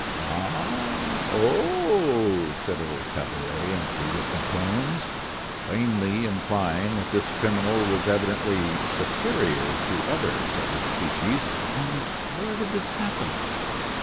oh! oh!" said old Tabaret, in three different tones, plainly implying that this criminal was evidently superior to others of his species. "And where did this happen?"